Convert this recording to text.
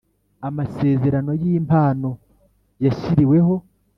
amasezerano y ‘impano yashyiriweho.